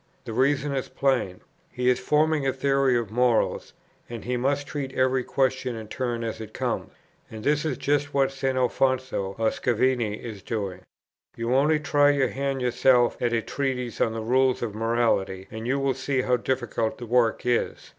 The reason is plain. He is forming a theory of morals, and he must treat every question in turn as it comes. And this is just what St. Alfonso or Scavini is doing. You only try your hand yourself at a treatise on the rules of morality, and you will see how difficult the work is.